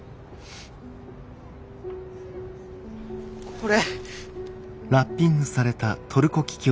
これ。